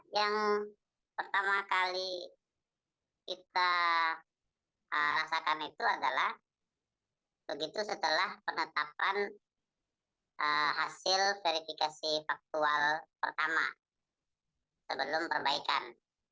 yang pertama kali kita rasakan itu adalah begitu setelah penetapan hasil verifikasi faktual pertama sebelum perbaikan